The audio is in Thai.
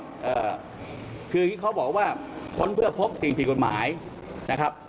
ก็คือเขาบอกว่าค้นเพื่อพบสิ่งผิดคุณหมายนะครับ